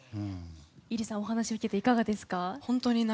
ｉｒｉさん、お話を聞いていかがですか？